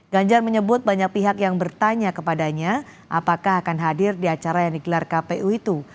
ganjar menyebut banyak pihak yang bertanya kepadanya apakah akan hadir di acara yang digelar kpu itu